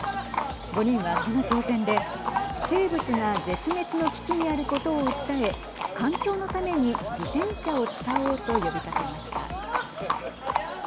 ５人は、この挑戦で生物が絶滅の危機にあることを訴え環境のために自転車を使おうと呼びかけました。